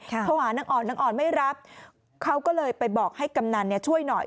ภาวะนางอ่อนนางอ่อนไม่รับเขาก็เลยไปบอกให้กำนันช่วยหน่อย